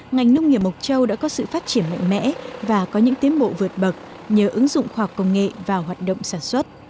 ngành nông nghiệp mộc châu đã có sự phát triển mạnh mẽ và có những tiến bộ vượt bậc nhờ ứng dụng khoa học công nghệ vào hoạt động sản xuất